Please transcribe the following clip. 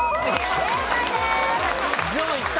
正解です！